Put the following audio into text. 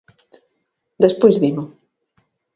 Despois dimo.